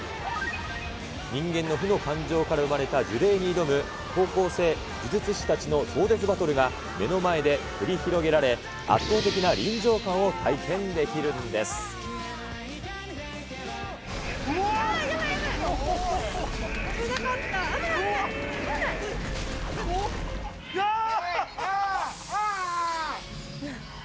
人間の負の感情から生まれた呪霊に挑む高校生呪術師たちの壮絶バトルが目の前で繰り広げられ、圧倒的な臨場感を体験できるんでうわー。